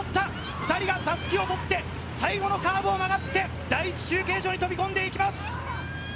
２人が襷を持って、最後のカーブを曲がって、第１中継所に飛び込んでいきます。